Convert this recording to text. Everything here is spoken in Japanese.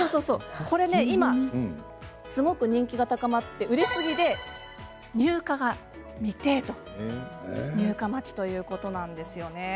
これに人気が高まっていて売れすぎで入荷未定入荷待ちということなんですよね。